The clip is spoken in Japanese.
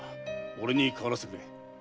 俺に代わらせてくれ。